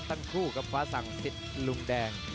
ตั้งคู่กับฟ้าสังสิดปลุ่มแดง